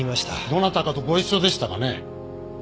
どなたかとご一緒でしたかね？